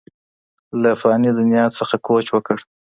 له فاني دنیا څخه کوچ وکړ